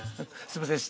すいません